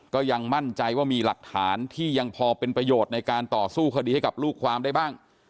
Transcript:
ก็ยังมั่นใจว่ามีหลักฐานที่ยังพอเป็นประโยชน์ในการต่อสู้คดีให้กับลูกความได้บ้าง